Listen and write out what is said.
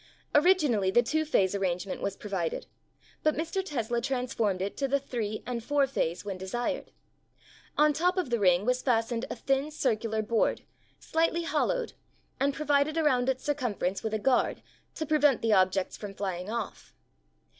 Originally the two phase arrangement was provided but Mr. Tesla transformed it to the three and four phase when desired. On top of the ring was fastened a thin circular board, slightly hollowed, and provided around its circumference with a guard to prevent the objects from flying off.